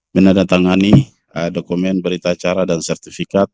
menandatangani dokumen berita acara dan sertifikat